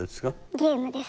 ゲームです。